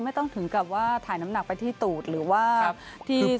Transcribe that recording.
ไม่ต้องถึงกับว่าถ่ายน้ำหนักไปที่ตูดหรือว่าที่